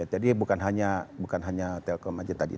jadi bukan hanya telkom aja tadi